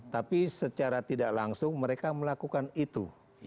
tapi secara tidak langsung mereka melakukan itu